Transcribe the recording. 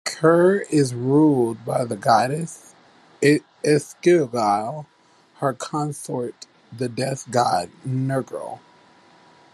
Kur is ruled by the goddess Ereshkigal and her consort, the death god Nergal.